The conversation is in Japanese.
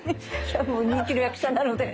もう人気の役者なので。